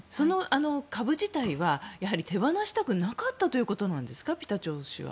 株自体は手放したくなかったということなんですかピタ党首は。